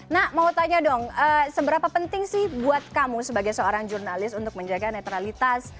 nak mau tanya dong seberapa penting sih buat kamu sebagai seorang jurnalis untuk menjaga netralitas